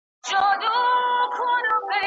تنوع په ټولنه کې ښکلا رامنځته کوي.